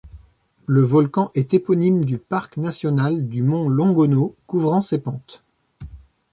Le volcan est éponyme du parc national du mont Longonot couvrant ses pentes.